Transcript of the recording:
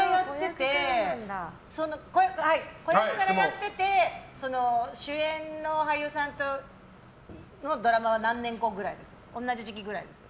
子役からやってて主演の俳優さんとのドラマは何年後ぐらいですか同じ時期ぐらいですか。